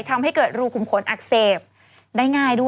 ทำให้เกิดรูขุมขนอักเสบได้ง่ายด้วย